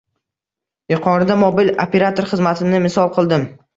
Yuqorida mobil operator xizmatini misol qildim